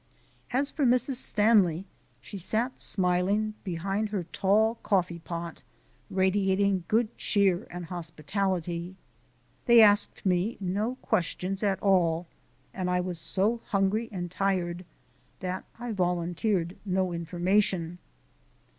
As for Mrs. Stanley, she sat smiling behind her tall coffee pot, radiating good cheer and hospitality. They asked me no questions at all, and I was so hungry and tired that I volunteered no information.